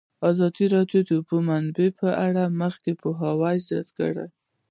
ازادي راډیو د د اوبو منابع په اړه د خلکو پوهاوی زیات کړی.